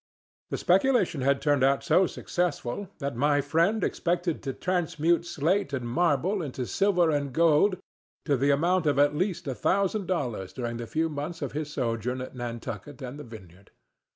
The speculation had turned out so successful that my friend expected to transmute slate and marble into silver and gold to the amount of at least a thousand dollars during the few months of his sojourn at Nantucket and the Vineyard.